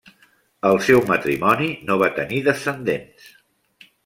El seu matrimoni no va tenir descendents.